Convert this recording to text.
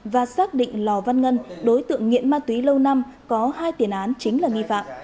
và xác định lò văn ngân đối tượng nghiện ma túy lâu năm có hai tiền án chính là nghi phạm